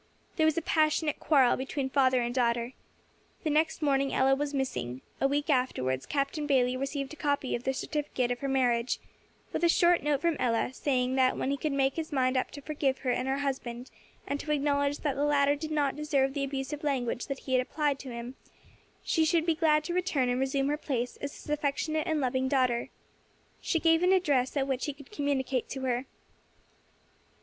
There was a passionate quarrel between father and daughter. The next morning Ella was missing; a week afterwards Captain Bayley received a copy of the certificate of her marriage, with a short note from Ella, saying that when he could make his mind up to forgive her and her husband, and to acknowledge that the latter did not deserve the abusive language that he had applied to him, she should be glad to return and resume her place as his affectionate and loving daughter. She gave an address at which he could communicate to her.